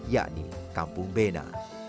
yakni kampung bena